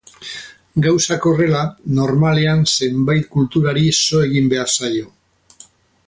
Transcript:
Gauzak horrela, normalean zenbait kulturari so egin behar zaio.